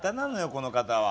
この方は。